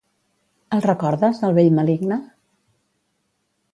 El recordes, el vell maligne?